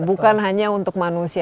bukan hanya untuk manusia